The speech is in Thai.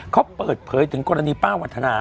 เขาเปิดเผยถึงกรณีป้าวัฒนา